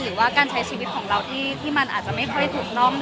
หรือว่าการใช้ชีวิตของเราที่มันอาจจะไม่ค่อยถูกต้อง